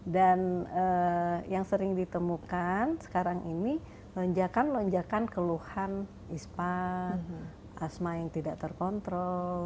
dan yang sering ditemukan sekarang ini lonjakan lonjakan keluhan ispan asma yang tidak terkontrol